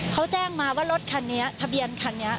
เขาแจ้งมาว่ารถคันนี้ทะเบียนคันนี้